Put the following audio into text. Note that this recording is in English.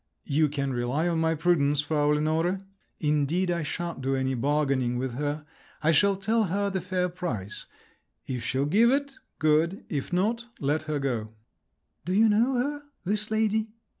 "You can rely on my prudence, Frau Lenore! Indeed, I shan't do any bargaining with her. I shall tell her the fair price; if she'll give it—good; if not, let her go." "Do you know her—this lady?"